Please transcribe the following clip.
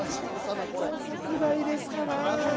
工作台ですかな。